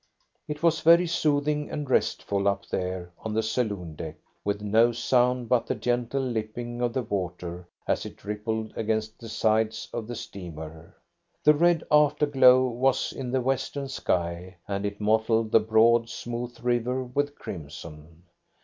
It was very soothing and restful up there on the saloon deck, with no sound but the gentle lipping of the water as it rippled against the sides of the steamer. The red after glow was in the western sky, and it mottled the broad, smooth river with crimson.